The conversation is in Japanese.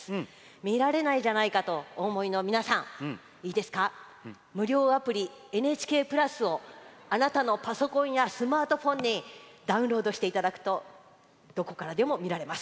見られないじゃないかとお思いの皆さんいいですか、無料アプリ「ＮＨＫプラス」をあなたのパソコンやスマートフォンにダウンロードしていただくとどこからでも見られます。